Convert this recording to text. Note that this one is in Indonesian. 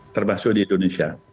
termasuk di indonesia